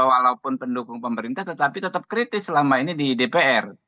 walaupun pendukung pemerintah tetapi tetap kritis selama ini di dpr